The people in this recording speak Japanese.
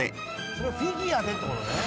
それをフィギュアでって事ね。